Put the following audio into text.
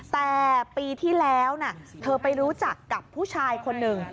แต่ปีที่แล้วเธอไปรู้จักกับผู้ชายคนหนึ่ง